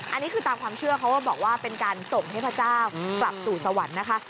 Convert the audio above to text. อันนี้คือตามความเชื่อเขาก็บอกว่าเป็นการส่งให้พระเจ้ากลับสู่สวรรค์นะคะ